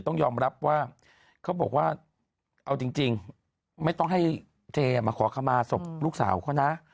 ต้องยอมรับว่าเขาบอกว่าเอาจริงไม่ต้องให้เจมาขอขมาศพลูกสาวเขานะ